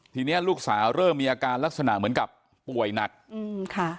ทีนี้ลูกสาวเริ่มมีอาการลักษณะเหมือนกับป่วยหนักอืมค่ะ